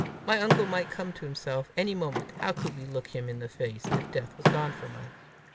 My uncle might come to himself any moment: how could we look him in the face if Death was gone from us!